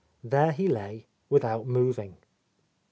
There he lay without moving.